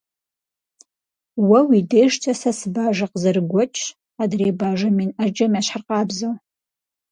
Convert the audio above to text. Уэ уи дежкӀэ сэ сыбажэ къызэрыгуэкӀщ, адрей бажэ мин Ӏэджэм ящхьыркъабзэу.